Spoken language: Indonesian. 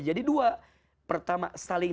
jadi dua pertama saling